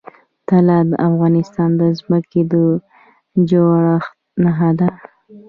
طلا د افغانستان د ځمکې د جوړښت نښه ده.